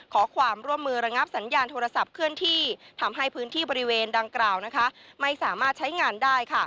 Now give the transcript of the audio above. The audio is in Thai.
ขอความร่วมมือระงับสัญญาณโทรศัพท์เคลื่อนที่ทำให้พื้นที่บริเวณดังกล่าวไม่สามารถใช้งานได้